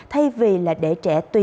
thay vì để trẻ tùy tùy